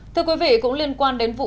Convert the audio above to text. thưa quý vị cũng liên quan đến vụ